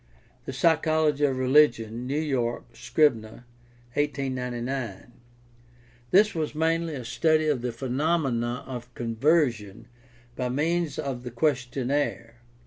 The Psychology of Religion (New York: Scribner, 1899). This was mainly a study of the phenomena of conversion by means of the questionnaire.